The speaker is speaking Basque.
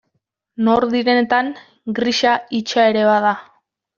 Nor direnetan grisa hitsa ere bada.